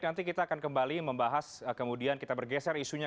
nanti kita akan kembali membahas kemudian kita bergeser isunya